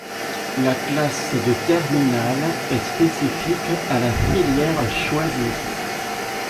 La classe de terminale est spécifique à la filière choisie.